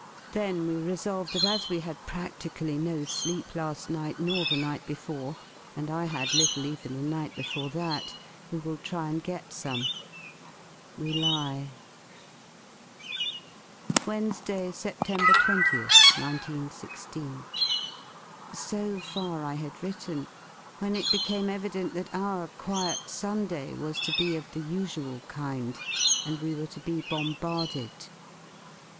Then we resolve that as we had pradically no sleep la A night nor the night before, and I had little even the night before that, we will try and get some. We lie .. Wednesday y Sept. 20th, 191 6. So far I had written when it became evident that our quiet Sunday was to be of the usual kind and we were to be bombarded.